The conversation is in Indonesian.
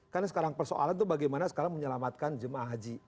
karena sekarang persoalan itu bagaimana sekarang menyelamatkan jemaah haji